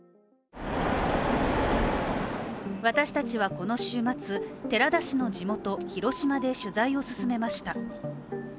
私たちはこの週末寺田氏の地元・広島で取材を進めました。